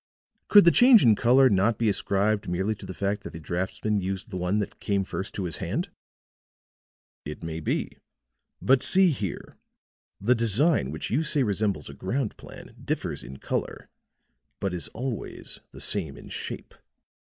"Could the change in color not be ascribed merely to the fact that the draughtsman used the one that came first to his hand?" "It may be. But see here: The design which you say resembles a ground plan differs in color, but is always the same in shape.